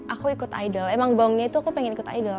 aku ikut idol emang gongnya itu aku pengen ikut idol